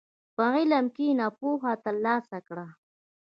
په علم کښېنه، پوهه ترلاسه کړه.